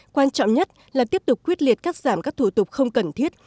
quan trọng nhất là tiếp tục quyết liệt cắt giảm các thủ tục không cần thiết